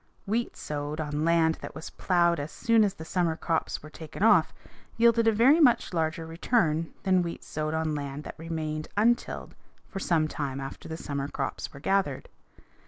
Wheat sowed on land that was plowed as soon as the summer crops were taken off yielded a very much larger return than wheat sowed on land that remained untilled for some time after the summer crops were gathered.